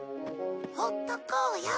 ほっとこうよ。